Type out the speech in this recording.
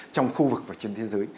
trong khu vực và trên thế giới